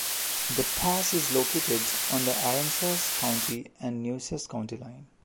The pass is located on the Aransas County and Nueces County line.